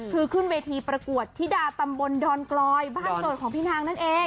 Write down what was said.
คือขึ้นเวทีประกวดธิดาตำบลดอนกลอยบ้านเกิดของพี่นางนั่นเอง